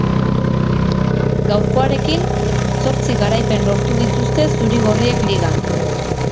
Gaurkoarekin, zortzi garaipen lortu dituzte zuri-gorriek ligan.